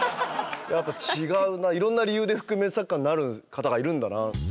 やっぱいろんな理由で覆面作家になる方がいるんだな。